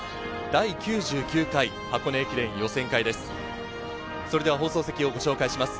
第９９回箱根駅伝予選会です。